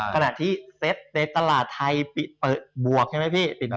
ขณะที่เซตในตลาดไทยเปิดบวกใช่ไหมพี่